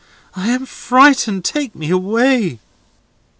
I am frightened! Take me away!"